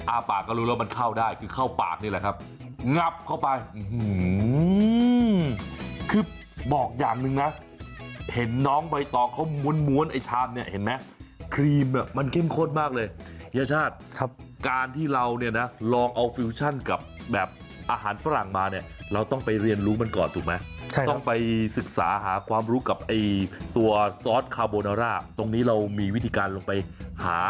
อ้าวอ้าวอ้าวอ้าวอ้าวอ้าวอ้าวอ้าวอ้าวอ้าวอ้าวอ้าวอ้าวอ้าวอ้าวอ้าวอ้าวอ้าวอ้าวอ้าวอ้าวอ้าวอ้าวอ้าวอ้าวอ้าวอ้าวอ้าวอ้าวอ้าวอ้าวอ้าวอ้าวอ้าวอ้าวอ้าวอ้าวอ้าวอ้าวอ้าวอ้าวอ้าวอ้าวอ้าวอ้า